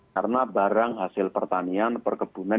karena barang hasil pertanian perkebunan